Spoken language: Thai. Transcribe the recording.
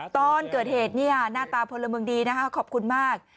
ตอนเกิดเหตุเนี่ยหน้าตาพลเมืองดีนะคะขอบคุณมาก